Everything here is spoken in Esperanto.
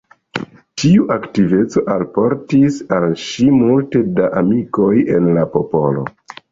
Tiu aktiveco alportis al ŝi multe da amikoj en la popolo.